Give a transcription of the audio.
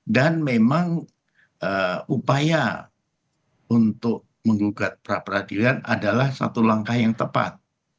dan memang upaya untuk menggugat pra peradilan adalah satu langkah yang tepat